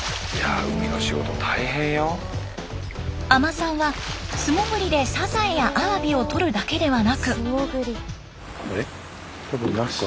海人さんは素潜りでサザエやアワビをとるだけではなく。